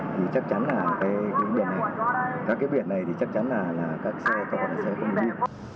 thì chắc chắn là cái biển này các cái biển này thì chắc chắn là các xe có vài xe không đi